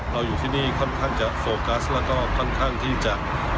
อยู่ที่นี่ค่อนข้างจะโฟกัสแล้วก็ค่อนข้างที่จะ